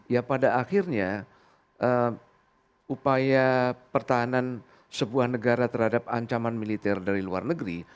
ya pada akhirnya upaya pertahanan sebuah negara terhadap ancaman militer dari luar negeri